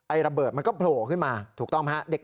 ระเบิดมันก็โผล่ขึ้นมาถูกต้องไหมฮะ